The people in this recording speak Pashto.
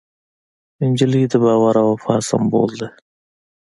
نجلۍ د باور او وفا سمبول ده.